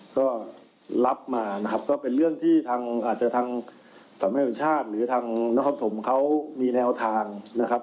ก็รับมานะครับก็เป็นเรื่องที่ทางอาจจะทางสำนักงานชาติหรือทางนครปฐมเขามีแนวทางนะครับ